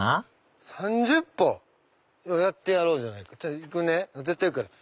３０歩⁉やってやろうじゃないか絶対行くから。